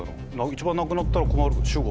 一番なくなったら困る主語。